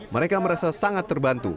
mereka merasa sangat terbantu